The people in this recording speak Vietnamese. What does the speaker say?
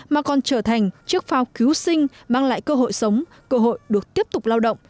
mà còn trở thành chiếc phao cứu sinh mang lại cơ hội sống cơ hội được tiếp tục lao động